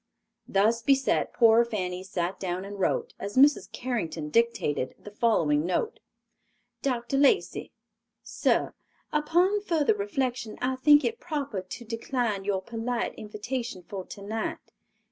Thus beset, poor Fanny sat down and wrote, as Mrs. Carrington dictated, the following note: "DR. LACEY: "SIR—Upon further reflection I think it proper to decline your polite invitation for tonight.